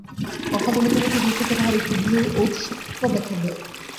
কথা বলিতে বলিতে দুচোখে তাহার একটু ভীরু ঔৎসুক্য দেখা দেয়।